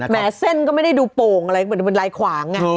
แม้เส้นก็ไม่ได้ดูโป่งอะไรเหมือนเป็นลายขวางไง